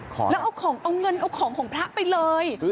ขออะไรแล้วเอาเงินของพระไปเลย